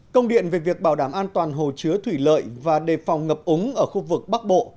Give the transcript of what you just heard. công điện về việc bảo đảm an toàn hồ chứa thủy lợi và đề phòng ngập úng ở khu vực bắc bộ